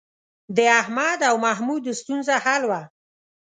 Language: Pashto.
د احمد او محمود ستونزه حل وه.